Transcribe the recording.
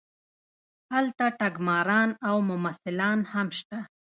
هلته ټګماران او ممثلان هم شته.